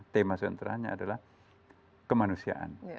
tema sentralnya adalah kemanusiaan